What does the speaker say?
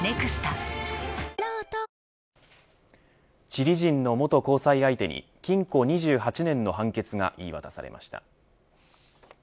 チリ人の元交際相手に禁錮２８年の判決が言い渡されました。